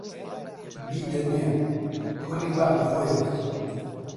بیدەنێ، کوڕی بابی خۆیەتی